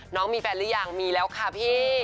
น้องมีแฟนหรือยังมีแล้วค่ะพี่